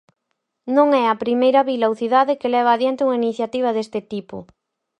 Non é a primeira vila ou cidade que leva adiante unha iniciativa deste tipo.